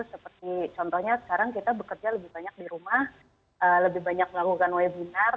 seperti contohnya sekarang kita bekerja lebih banyak di rumah lebih banyak melakukan webinar